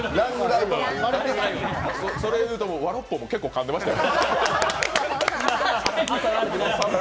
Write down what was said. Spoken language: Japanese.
それ言うても和六盆も結構、かんでましたよ。